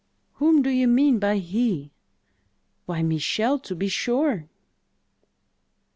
"Whom do you mean by he?" "Why, Michel, to be sure!"